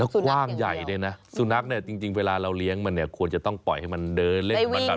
แล้วกว้างใหญ่ด้วยนะสุนัขเนี่ยจริงเวลาเราเลี้ยงมันเนี่ยควรจะต้องปล่อยให้มันเดินเล่นมันแบบ